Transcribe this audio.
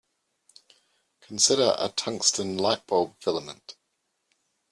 Consider a tungsten light-bulb filament.